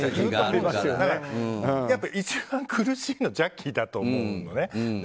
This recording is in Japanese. だから、一番苦しいのはジャッキーだと思うのね。